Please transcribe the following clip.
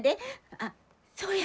あっそや！